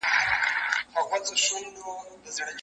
چي « غلي انقلاب » ته یې زلمي هوښیاروله